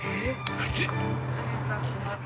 ふち◆失礼いたします。